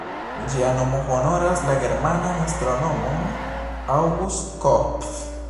Ĝia nomo honoras la germanan astronomon August Kopff.